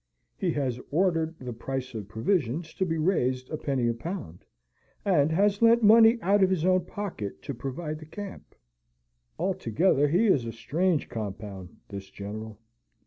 He has ordered the price of provisions to be raised a penny a pound, and has lent money out of his own pocket to provide the camp. Altogether, he is a strange compound, this General.